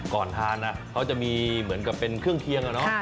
ก่อนทานเขาจะมีเหมือนกับเป็นเครื่องเคียงอะเนาะ